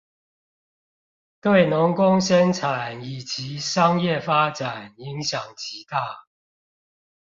對農工生產以及商業發展影響極大